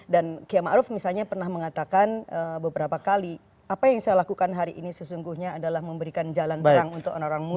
dan kiam arief misalnya pernah mengatakan beberapa kali apa yang saya lakukan hari ini sesungguhnya adalah memberikan jalan terang untuk orang orang muda